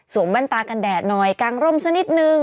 สวมบ้านตากันแดดหน่อยกางรมสักนิดหนึ่ง